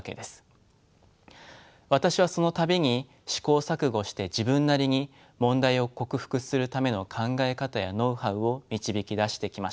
私はその度に試行錯誤して自分なりに問題を克服するための考え方やノウハウを導き出してきました。